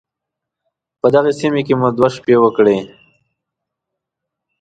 په دغې سيمې کې مو دوه شپې وکړې.